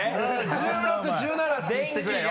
１６１７っていってくれよ。